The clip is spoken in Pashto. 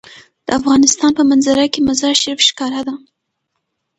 د افغانستان په منظره کې مزارشریف ښکاره ده.